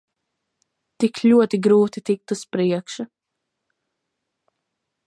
Tik ļoti grūti tikt uz priekšu.